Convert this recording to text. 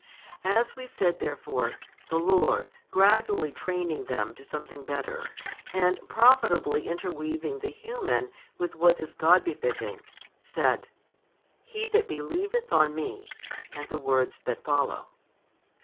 As we said therefore, the Lord, gradually training them to something better, and profitably interweaving the human with what is God befitting, said: He that believeth on Me and the words that follow.